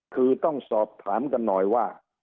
คือต้องสอบถามกันหน่อยว่า